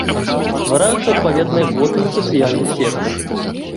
Ствараюцца адпаведныя боты ў сацыяльных сетках.